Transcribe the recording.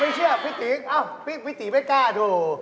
ไม่เชื่อพี่ตี๋พี่ตี๋ไม่กล้าถูก